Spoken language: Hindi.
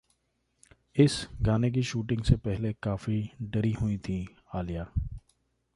इस गाने की शूटिंग से पहले काफी डरी हुईं थीं आलिया